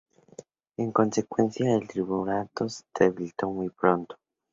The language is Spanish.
En consecuencia, el triunvirato se debilitó muy pronto.